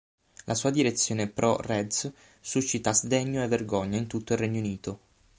La sua direzione pro "reds" suscita sdegno e vergogna in tutto il Regno Unito.